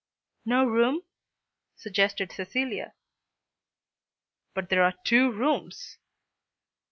"No room," suggested Cecilia. "But there are two rooms."